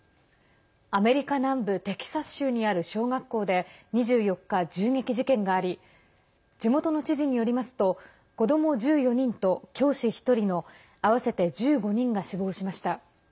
アメリカ南部テキサス州にある小学校で２４日、銃撃事件があり地元の知事によりますと子ども１４人を含む教師１人の合わせて１５人が死亡しました。